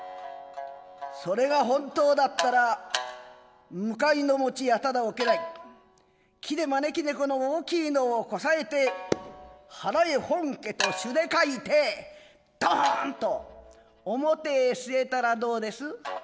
それが本当だったら向いのや只おけない木で招き猫の大きいのをこさえて腹へ本家と朱で書いてどーんと表へ据えたらどうです」。